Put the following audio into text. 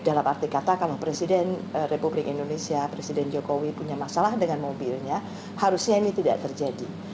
dalam arti kata kalau presiden republik indonesia presiden jokowi punya masalah dengan mobilnya harusnya ini tidak terjadi